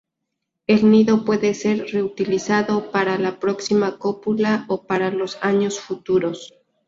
El nido puede ser reutilizado para la próxima cópula o para los años futuros.